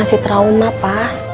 masih trauma pak